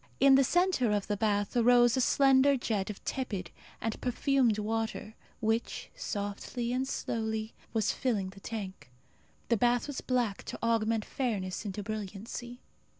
In the centre of the bath arose a slender jet of tepid and perfumed water, which, softly and slowly, was filling the tank. The bath was black to augment fairness into brilliancy.